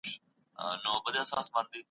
خپلواک اوسئ او علمي کار وکړئ.